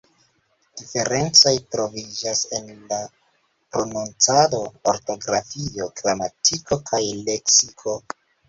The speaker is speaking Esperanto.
Diferencoj troviĝas en la prononcado, ortografio, gramatiko kaj leksiko.